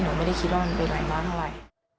หนูไม่ได้คิดว่ามันเป็นอะไรมากเท่าไหร่